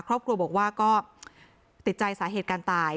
ครอบครัวบอกว่าก็ติดใจสาเหตุการตาย